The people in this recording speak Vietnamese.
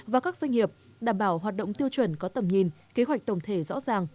và các doanh nghiệp đảm bảo hoạt động tiêu chuẩn có tầm nhìn kế hoạch tổng thể rõ ràng